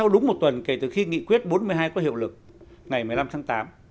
đúng một tuần kể từ khi nghị quyết bốn mươi hai có hiệu lực ngày một mươi năm tháng tám